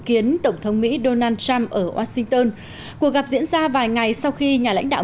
kiến tổng thống mỹ donald trump ở washington cuộc gặp diễn ra vài ngày sau khi nhà lãnh đạo